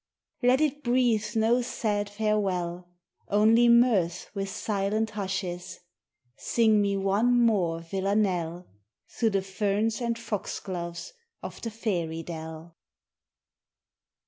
Let it breathe no sad farewell, Only mirth with silent hushes. Sing me one more villanelle Through the ferns and foxgloves of the fairy dell.